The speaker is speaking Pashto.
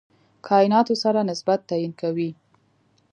کایناتو سره نسبت تعیین کوي.